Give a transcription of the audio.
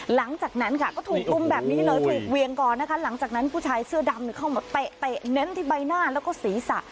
หลังจากนั้นค่ะก็ถูกกุมแบบนี้เลยถูกเวียงก่อนนะคะหลังจากนั้นผู้ชายเสื้อดำเข้ามาเตะเน้นที่ใบหน้าแล้วก็ศีรษะ